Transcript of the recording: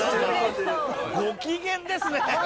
ご機嫌ですね。